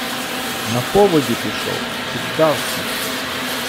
- На поводі пішов, піддався...